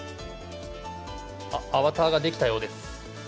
アバターができたようです。